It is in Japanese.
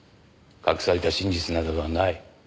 隠された真実などはない。